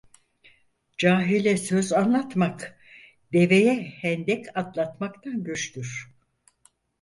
Cahile söz anlatmak, deveye hendek atlatmaktan güçtür.